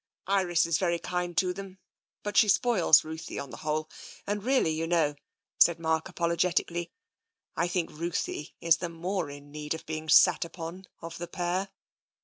" Iris is very kind to them, but she spoils Ruthie, on the whole. And really, you know," said Mark apologetically, " I think Ruthie is the more in need of being sat upon of the pair."